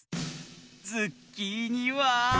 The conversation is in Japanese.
ズッキーニは。